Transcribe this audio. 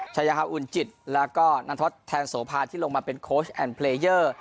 ชายฮาอุ่นจิตแล้วก็นันทศแทนโสภาที่ลงมาเป็นโค้ชแอนด์เพลเยอร์